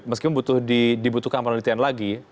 meskipun dibutuhkan penelitian lagi